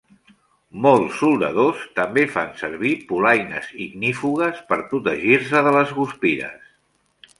Molts soldadors també fan servir polaines ignífugues per protegir-se de les guspires.